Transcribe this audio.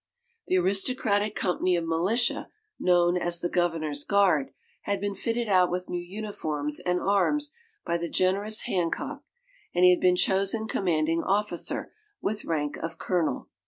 The aristocratic company of militia, known as the Governor's Guard, had been fitted out with new uniforms and arms by the generous Hancock, and he had been chosen commanding officer, with rank of Colonel.